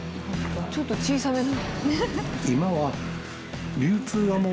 ちょっと小さめの。